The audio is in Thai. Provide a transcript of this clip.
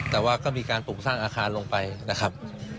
แต่ว่าก็มีการปลูกสร้างอาคารลงไปนะครับ